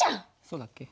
そうだっけ？